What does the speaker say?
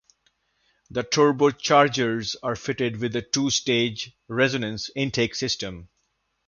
The turbochargers are fitted with a two-stage resonance intake system.